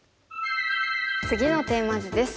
次のテーマ図です。